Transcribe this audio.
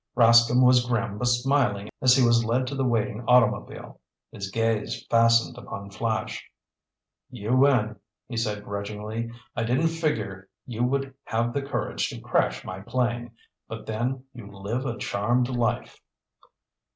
Rascomb was grim but smiling as he was led to the waiting automobile. His gaze fastened upon Flash. "You win," he said grudgingly. "I didn't figure you would have the courage to crash my plane. But then, you live a charmed life!"